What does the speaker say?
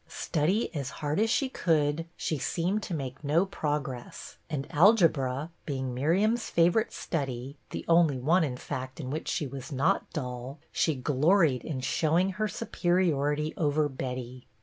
Study as hard as she could she seemed to make no progress; and algebra being Miriam's favorite study, the only one, in fact, in which she was not dull, she gloried in showing her superiority over Betty.